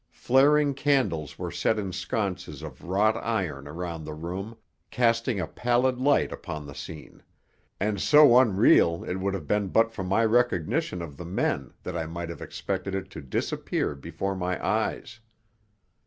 Flaring candles were set in sconces of wrought iron around the room, casting a pallid light upon the scene, and so unreal it would have been but for my recognition of the men that I might have expected it to disappear before my eyes.